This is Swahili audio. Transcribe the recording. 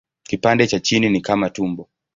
Kipande cha chini ni kama tumbo.